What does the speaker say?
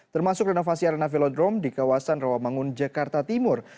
termasuk renovasi arena velodrome di kawasan rawamangun jakarta timur